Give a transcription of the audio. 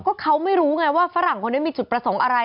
ก็เขาไม่รู้ไงว่าฝรั่งคนนี้มีจุดประสงค์อะไร